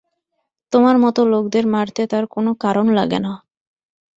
তোমার মতো লোকদের মারতে তার কোনো কারণ লাগে না।